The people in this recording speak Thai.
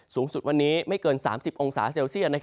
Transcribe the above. สูงสุดวันนี้ไม่เกิน๓๐องศาเซลเซียต